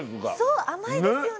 そう甘いですよね。